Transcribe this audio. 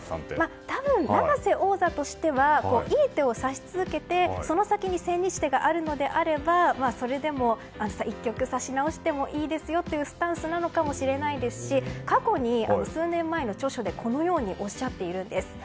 多分、永瀬王座としてはいい手を指し続けてその先に千日手があるのであればそれでも１局指し直してもいいですよというスタンスなのかもしれないですし過去に数年前の著書でこのようにおっしゃっているんです。